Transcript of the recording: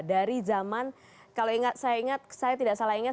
dari zaman kalau saya ingat saya tidak salah ingat